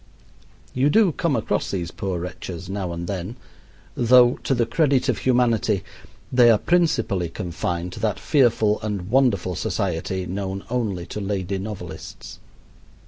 You do come across these poor wretches now and then, though, to the credit of humanity, they are principally confined to that fearful and wonderful society known only to lady novelists.